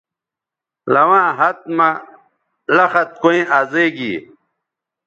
لواں ہَت مہ لخت کویں ازئ گی